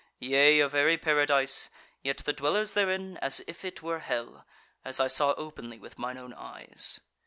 Yea, a very paradise; yet the dwellers therein as if it were hell, as I saw openly with mine own eyes.